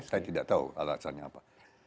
saya tidak tahu alasannya apa